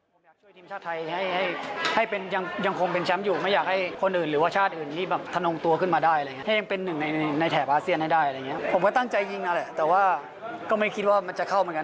ผมก็พยายามทำให้เต็มที่ตามจังหวะฟุตบอลแหละ